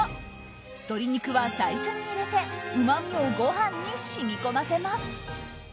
鶏肉は最初に入れてうまみをご飯に染み込ませます。